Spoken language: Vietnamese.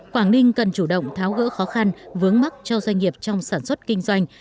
quảng ninh cần chủ động tháo gỡ khó khăn vướng mắt cho doanh nghiệp trong sản xuất kinh doanh